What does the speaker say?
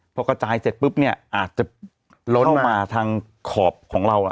พอกระจายเสร็จปุ๊บเนี่ยอาจจะล้นมาทางขอบของเรา